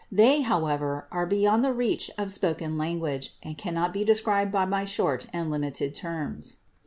They, however, are beyond the reach of spoken language, and cannot be described by my short and limited terms.